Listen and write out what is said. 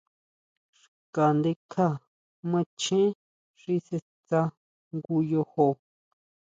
Xka ndekja macheén xi sʼe stsá jngu yojo.